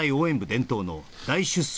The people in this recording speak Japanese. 伝統の大出走